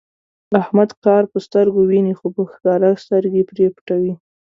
احمد کار په سترګو ویني، په ښکاره سترګې پرې پټوي.